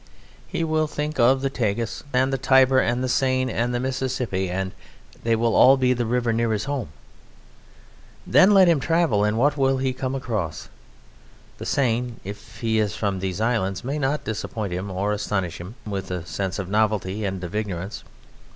He will think of the Tagus and the Tiber and the Seine and the Mississippi and they will all be the river near his home. Then let him travel, and what will he come across? The Seine, if he is from these islands, may not disappoint him or astonish him with a sense of novelty and of ignorance.